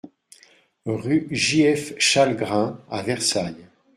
Rue J F Chalgrin à Versailles